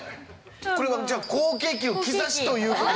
これがじゃあ好景気の兆しという事ですか？